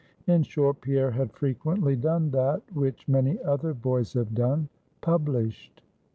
In short, Pierre had frequently done that, which many other boys have done published.